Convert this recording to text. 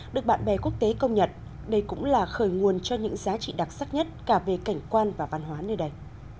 được bạn bè quốc tế công nhận đây cũng là khởi nguồn cho những giá trị đặc sắc nhất cả về cảnh quan và văn hóa nơi đây